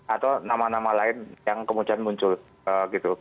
atau nama nama lain yang kemudian muncul gitu